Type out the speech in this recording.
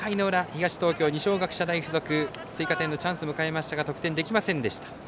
東京、二松学舎大付属追加点のチャンスを迎えましたが得点できませんでした。